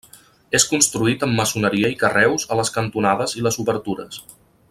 És construït amb maçoneria i carreus a les cantonades i les obertures.